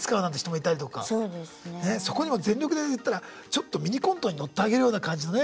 そこにも全力で言ったらちょっとミニコントに乗ってあげるような感じのね。